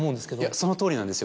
そのとおりなんですよ。